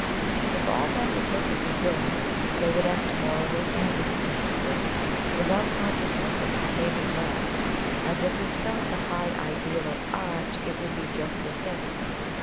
If all men were perfectly good, they would act morally and instinctively, without consciousness of behaving well, and if we felt a high ideal of Art it would be just the same.